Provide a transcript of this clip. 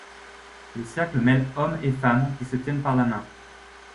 Le cercle mêle hommes et femmes qui se tiennent par la main.